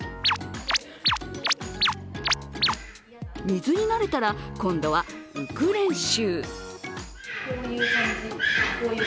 水に慣れたら、今度は浮く練習。